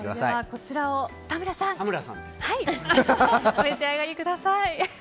こちらを田村さんお召し上がりください。